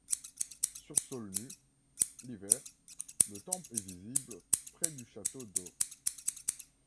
Sur sol nu, l'hiver, le temple est visible près du château d'eau.